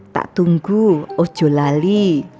tak tunggu ojo lali